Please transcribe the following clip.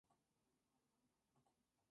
Juega como arquero en Rangers de Talca.